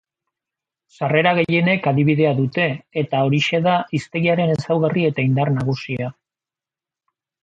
Sarrera gehienek adibidea dute, eta horixe da hiztegiaren ezaugarri eta indar nagusia.